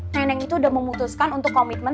nenek itu udah memutuskan untuk komitmen